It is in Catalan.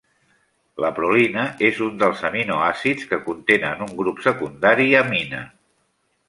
La prolina és un dels aminoàcids que contenen un grup secundari amina.